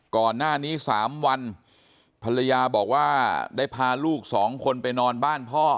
ก่อนหน้านี้๓วันภรรยาบอกว่าได้พาลูกสองคนไปนอนบ้านพ่อ